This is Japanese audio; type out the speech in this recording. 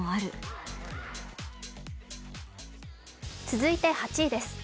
続いて８位です。